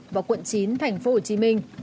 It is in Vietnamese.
và quận chín thành phố hồ chí minh